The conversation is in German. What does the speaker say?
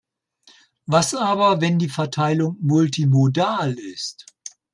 Was aber, wenn die Verteilung multimodal ist?